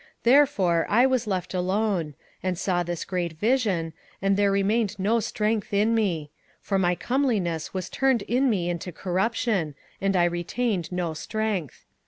27:010:008 Therefore I was left alone, and saw this great vision, and there remained no strength in me: for my comeliness was turned in me into corruption, and I retained no strength.